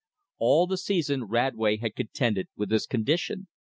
All the season Radway had contended with this condition.